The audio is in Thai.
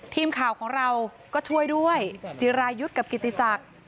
ทีมข่าวของเราก็ช่วยด้วยจิรายุทธ์กับกิติศักดิ์